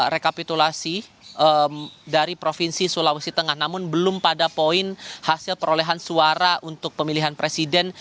rekapitulasi dari provinsi sulawesi tengah namun belum pada poin hasil perolehan suara untuk pemilihan presiden